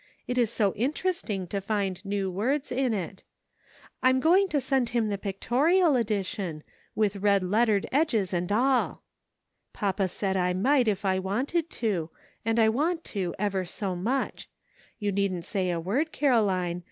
It is so interesting to find new words in it. I am going to send him the Pictorial Edition, with red lettered edges and all. Papa said I might if I wanted to, and I want to ever so much. You needn't say a word, Caroline, 300 GREAT QUESTIONS SETTLED.